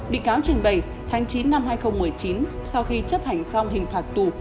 bị cáo trình bày tháng chín năm hai nghìn một mươi chín sau khi chấp hành xong hình phạt tù